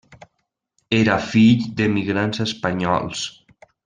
Era fill d'emigrants espanyols.